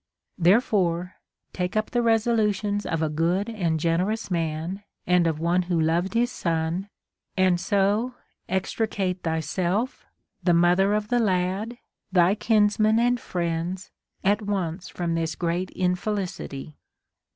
Therefore take up the resolutions of a good and generous man and of one who loved his son, and so extricate thyself, the mother of the lad, thy kinsmen and friends at once from this great infelicity.